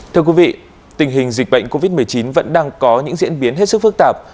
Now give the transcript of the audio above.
thưa quý vị tình hình dịch bệnh covid một mươi chín vẫn đang có những diễn biến hết sức phức tạp